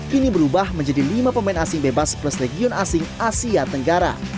kini berubah menjadi lima pemain asing bebas plus legion asing asia tenggara